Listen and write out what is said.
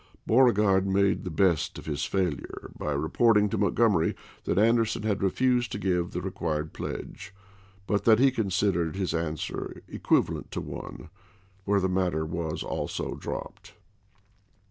Beauregard made the best of his failure by report ing to Montgomery that Anderson had refused to give the required pledge, but that he considered his answer equivalent to one; where the matter was also dropped.